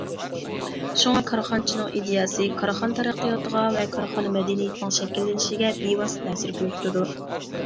شۇڭا كارخانىچىنىڭ ئىدىيەسى كارخانا تەرەققىياتىغا ۋە كارخانا مەدەنىيىتىنىڭ شەكىللىنىشىگە بىۋاسىتە تەسىر كۆرسىتىدۇ.